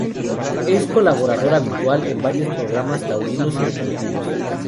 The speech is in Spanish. Es colaborador habitual en varios programas taurinos y deportivos.